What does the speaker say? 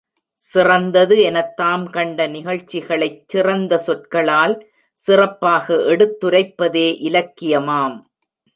சிறந்தது எனத் தாம் கண்ட நிகழ்ச்சிகளைச் சிறந்த சொற்களால் சிறப்பாக எடுத்துரைப்பதே இலக்கியமாம்.